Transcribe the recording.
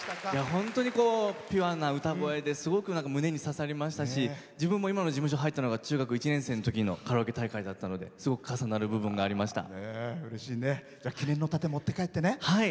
本当にピュアな歌声ですごく胸に刺さりましたし自分も今の事務所に入ったのが中学１年のときのカラオケ大会だったのですごく重なる部分がありました。